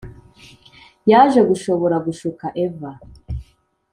yaje gushobora gushuka eva.